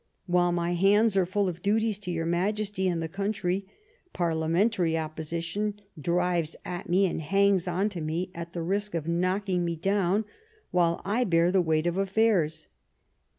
While my hands are full of duties to your Majesty and the country, parliamentary opposition drives at me and hangs on to me, at the risk of knocking me down while I bear the weight of affairs.